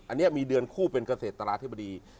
อันนี้มีเดือนคู่เป็นเกษตราธิบดี